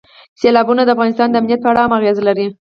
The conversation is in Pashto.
سیلابونه د افغانستان د امنیت په اړه هم اغېز لري.